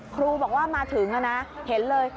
ครูบอกว่ามาถึงนะเห็นเลย